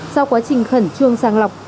sau quá trình khẩn trương sàng lọc